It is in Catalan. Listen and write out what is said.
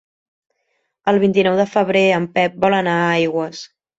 El vint-i-nou de febrer en Pep vol anar a Aigües.